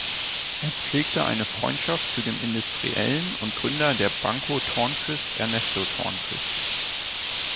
Er pflegte eine Freundschaft zu dem Industriellen und Gründer der Banco Tornquist Ernesto Tornquist.